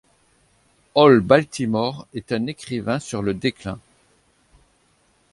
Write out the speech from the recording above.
Hall Baltimore est un écrivain sur le déclin.